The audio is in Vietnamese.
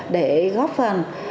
để góp phần